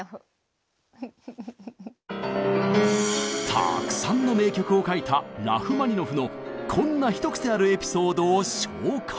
たくさんの名曲を書いたラフマニノフのこんな一癖あるエピソードを紹介！